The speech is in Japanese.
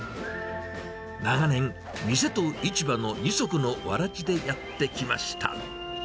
長年、店と市場の二足のわらじでやってきました。